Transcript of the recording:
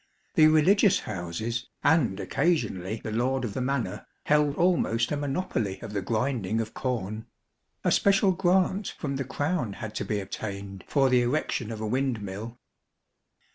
The Religious Houses, and occasionally the Lord of the Manor, held almost a monopoly of the grinding of corn. A special grant from the Crown had to be obtained for the erection of a windmill.